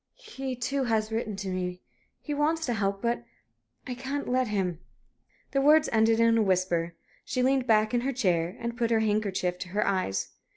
"He, too, has written to me. He wants to help me. But I can't let him." The words ended in a whisper. She leaned back in her chair, and put her handkerchief to her eyes.